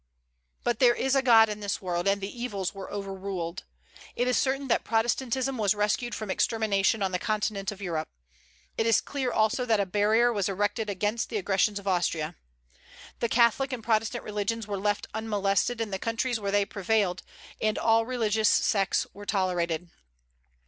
But there is a God in this world, and the evils were overruled. It is certain that Protestantism was rescued from extermination on the continent of Europe. It is clear also that a barrier was erected against the aggressions of Austria. The Catholic and the Protestant religions were left unmolested in the countries where they prevailed, and all religious sects were tolerated.